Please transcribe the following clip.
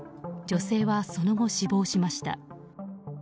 女性はその後、死亡しました。